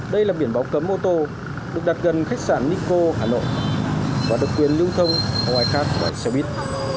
đây là biển báo cấm ô tô được đặt gần khách sạn nico hà nội và được quyền lưu thông ngoài khách ngoài xe buýt